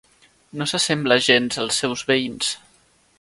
No s'assembla gens als seus veïns.